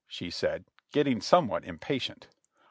she said, getting somewhat impatient.